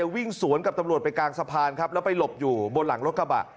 วิ่งสวนกับตำรวจไปกลางสะพานครับแล้วไปหลบอยู่บนหลังรถกระบะ